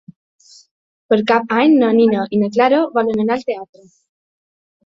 Per Cap d'Any na Nina i na Clara volen anar al teatre.